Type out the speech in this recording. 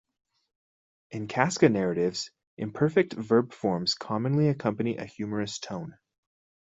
In Kaska narratives, imperfective verb forms commonly accompany a humorous tone.